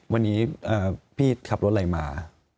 วันนี้พี่ขับรถอะไรมา